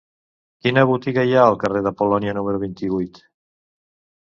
Quina botiga hi ha al carrer de Polònia número vint-i-vuit?